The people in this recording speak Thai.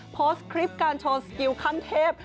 โพสต์คลิปการโชว์สกิลขั้นเทพ